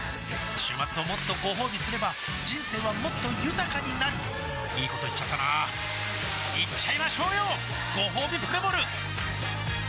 週末をもっとごほうびすれば人生はもっと豊かになるいいこと言っちゃったなーいっちゃいましょうよごほうびプレモル